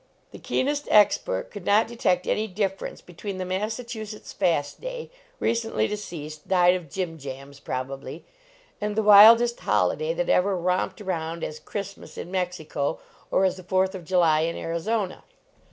The keenest expert could not detect an} difference between the Massachusetts : Day, recently deceased died of jimjams, probably and the wildest holiday that ever romped around as Christmas in Mexico or as the fourth of July in Arizona.